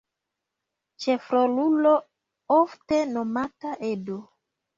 Ĉefrolulo, ofte nomata "Ed".